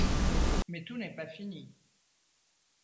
Mais tout n’est pas fini.